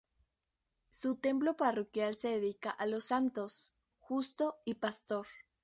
Su templo parroquial se dedica a los Santos Justo y Pastor.